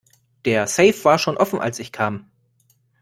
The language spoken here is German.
Der Safe war schon offen als ich kam.